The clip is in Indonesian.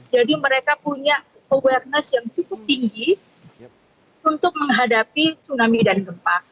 jadi mereka punya awareness yang cukup tinggi untuk menghadapi tsunami dan gempa